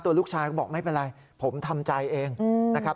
ลูกชายก็บอกไม่เป็นไรผมทำใจเองนะครับ